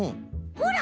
ほら！